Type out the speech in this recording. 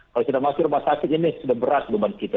kalau kita masuk rumah sakit ini sudah berat beban kita